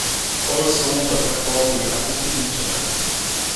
All songs were performed with acoustic instruments.